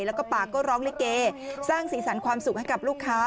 แล้วก็ปากก็ร้องลิเกสร้างสีสันความสุขให้กับลูกค้า